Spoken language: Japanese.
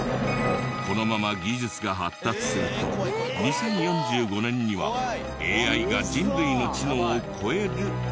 このまま技術が発達すると２０４５年にはＡＩが人類の知能を超えるといわれている。